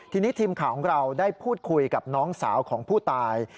ทีนี้ทีมข่าวของเราได้พูดคุยกับน้องสาวของผู้ตาย